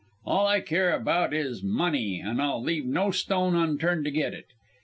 All I care about is money and I'll leave no stone unturned to get it.